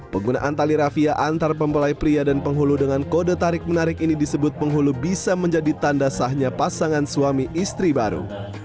penggunaan tali rafia antar pempelai pria dan penghulu dengan kode tarik menarik ini disebut penghulu bisa menjadi tanda sahnya pasangan suami istri baru